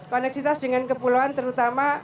koneksitas dengan kepulauan terutama